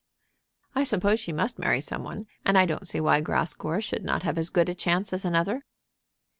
"I suppose she must marry some one, and I don't see why Grascour should not have as good a chance as another."